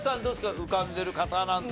浮かんでる方なんて。